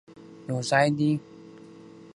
یوځای دې،